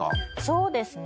そうですね。